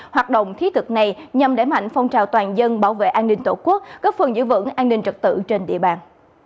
hoạt động thiết thực này nhằm đẩy mạnh phong trào toàn dân bảo vệ an ninh tổ quốc góp phần giữ vững an ninh trật tự trên địa bàn